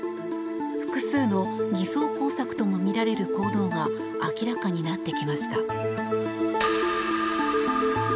複数の偽装工作ともみられる行動が明らかになってきました。